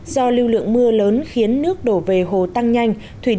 do lưu lượng mưa lớn khiến nước đổ về hồ tăng nhanh